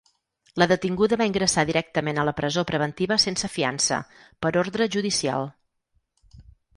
La detinguda va ingressar directament a la presó preventiva sense fiança, per ordre judicial.